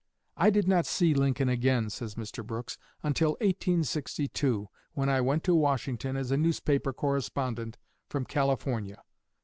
"I did not see Lincoln again," says Mr. Brooks, "until 1862, when I went to Washington as a newspaper correspondent from California.